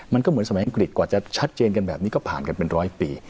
มันก็เหมือนสมัยอังกฤษกว่าจะชัดเจนกันแบบนี้ก็ผ่านกันเป็นร้อยปี